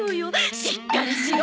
しっかりしろ！